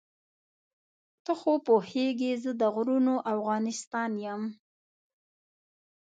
ته خو پوهېږې زه د غرونو افغانستان یم.